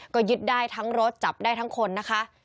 ก็ยึดได้ทั้งรถจับได้ทั้งคนนะคะ